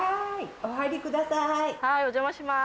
お邪魔します。